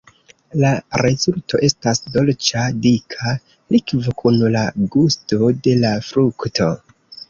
La rezulto estas dolĉa, dika likvo kun la gusto de la frukto.